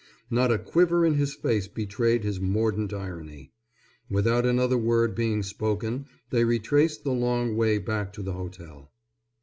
Not a quiver in his face betrayed his mordant irony. Without another word being spoken they retraced the long way back to the hotel.